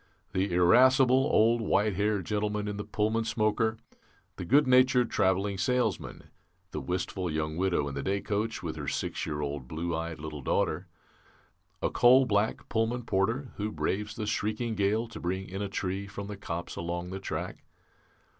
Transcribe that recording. "The irascible old white haired gentleman in the Pullman smoker; the good natured travelling salesman; the wistful young widow in the day coach, with her six year old blue eyed little daughter. A coal black Pullman porter who braves the shrieking gale to bring in a tree from the copse along the track.